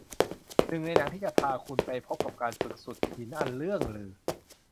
หนี่งในหนังที่จะพาคุณไปพบกับการฝึกสุดหินอันเลื่องลือ